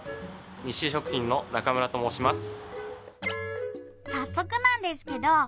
日清食品の中村と申します